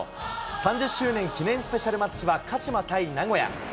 ３０周年記念スペシャルマッチは、鹿島対名古屋。